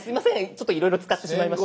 ちょっといろいろ使ってしまいました。